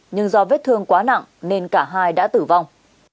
nhưng do vết thương quá nặng nên cả hai đã tử vong